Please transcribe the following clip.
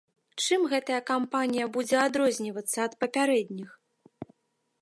Чым гэтая кампанія будзе адрознівацца ад папярэдніх?